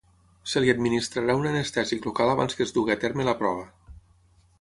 Se li administrarà un anestèsic local abans que es dugui a terme la prova.